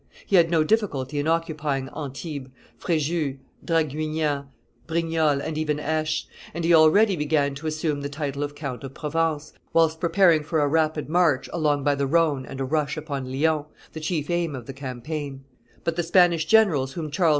He had no difficulty in occupying Antibes, Frejus, Draguignan, Brignoles, and even Aix; and he already began to assume the title of Count of Provence, whilst preparing for a rapid march along by the Rhone and a rush upon Lyons, the chief aim of the campaign; but the Spanish generals whom Charles V.